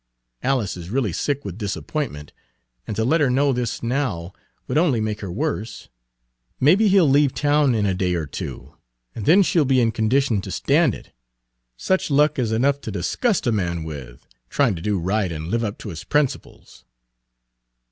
Alice is really sick with disappointment, and to let her know this now would only make her worse. May be he'll leave town in a day or two, and then she'll be in condition to stand it. Such luck is enough to disgust a man with trying to do right and live up to his principles."